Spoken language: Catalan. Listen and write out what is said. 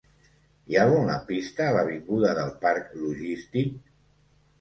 Hi ha algun lampista a l'avinguda del Parc Logístic?